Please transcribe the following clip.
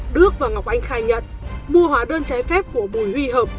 đức và ngọc anh khai nhận mua hóa đơn trái phép của bùi huy hợp